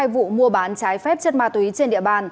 hai vụ mua bán trái phép chất ma túy trên địa bàn